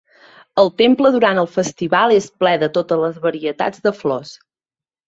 El temple durant el festival és ple de totes les varietats de flors.